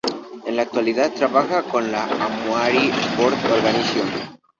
En la actualidad trabaja para la Amaury Sport Organisation.